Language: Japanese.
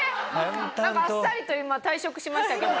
なんかあっさりと今退職しましたけど。